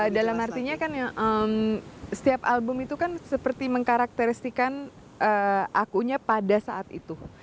dalam artinya kan setiap album itu kan seperti mengkarakteristikan akunya pada saat itu